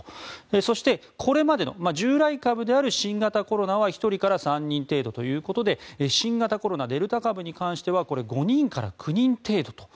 そして、これまでの従来株である新型コロナは１人から３人程度ということで新型コロナ、デルタ株に関してはこれ、５人から９人程度と。